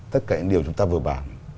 tất cả những điều chúng ta vừa bàn